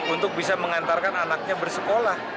untuk bisa mengantarkan anaknya bersekolah